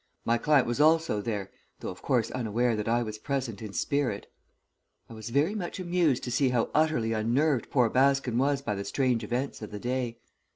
My client was also there, though, of course, unaware that I was present in spirit. I was very much amused to see how utterly unnerved poor Baskins was by the strange events of the day.